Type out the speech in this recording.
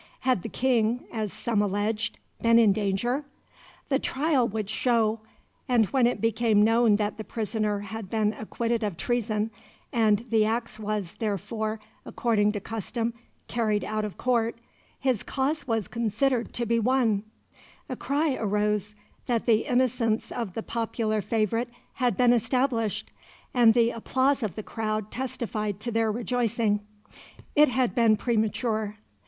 Had the King, as some alleged, been in danger? The trial would show; and when it became known that the prisoner had been acquitted of treason, and the axe was therefore, according to custom, carried out of court, his cause was considered to be won; a cry arose that the innocence of the popular favourite had been established, and the applause of the crowd testified to their rejoicing. It had been premature.